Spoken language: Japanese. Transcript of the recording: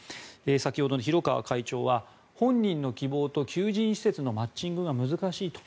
先ほどの弘川会長は本人の希望と求人施設のマッチングが難しいと。